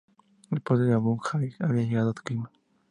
El poder de Abu'l-Jair había llegado a su cima.